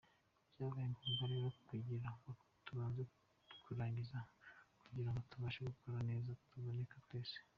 Byabaye ngombwa rero kugira ngo tubanze kuyarangiza kugira ngo tubashe gukora neza tuboneka twese”.